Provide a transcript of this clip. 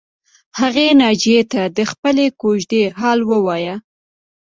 هغې ناجیې ته د خپلې کوژدې حال ووایه